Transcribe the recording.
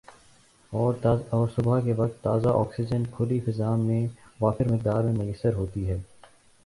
اور صبح کے وقت تازہ آکسیجن کھلی فضا میں وافر مقدار میں میسر ہوتی ہے